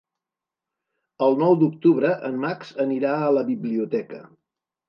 El nou d'octubre en Max anirà a la biblioteca.